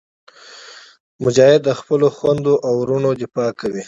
مجاهد د خپلو خویندو او وروڼو دفاع کوي.